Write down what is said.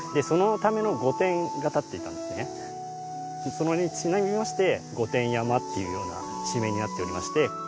それにちなみまして御殿山というような地名になっておりまして。